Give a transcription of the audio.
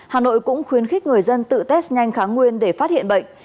hà nội cũng khuyến khích người dân tự test nhanh kháng nguyên để phát hiện bệnh